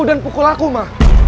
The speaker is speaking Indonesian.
dan pukul aku ma